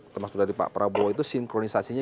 termasuk dari pak prabowo itu sinkronisasinya